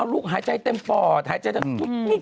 ลูกหายใจเต็มปอดหายใจเต็ม